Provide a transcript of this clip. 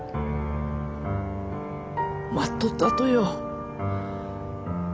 待っとったとよ。